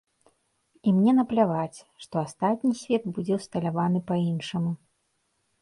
І мне напляваць, што астатні свет будзе ўсталяваны па-іншаму.